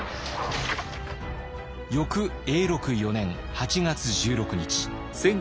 翌永禄４年８月１６日。